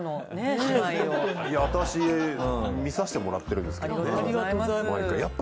いや私観させてもらってるんですけど。